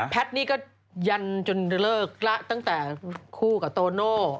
นี่ก็ยันจนเลิกละตั้งแต่คู่กับโตโน่